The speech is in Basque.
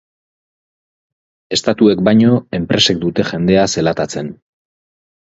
Estatuek baino, enpresek dute jendea zelatatzen.